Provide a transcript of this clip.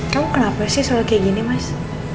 kamu kenapa sih soal kayak gini mas